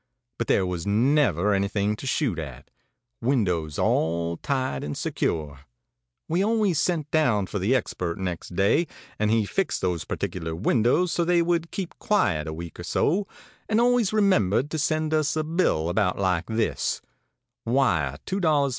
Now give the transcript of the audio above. But there was never anything to shoot at windows all tight and secure. We always sent down for the expert next day, and he fixed those particular windows so they would keep quiet a week or so, and always remembered to send us a bill about like this: Wire